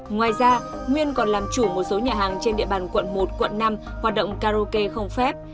ngoài ra nguyên còn làm chủ một số nhà hàng trên địa bàn quận một quận năm hoạt động karaoke không phép